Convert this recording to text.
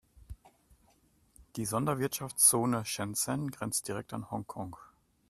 Die Sonderwirtschaftszone Shenzhen grenzt direkt an Hongkong.